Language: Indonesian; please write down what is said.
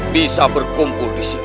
bisa berkumpul disini